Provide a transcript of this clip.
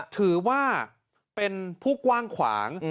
ถือว่าเป็นผู้กว้างขวาง